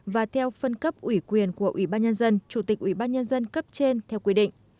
và theo phân cấp ủy quyền của ủy ban nhân dân chủ tịch ủy ban nhân dân cấp trên theo quy định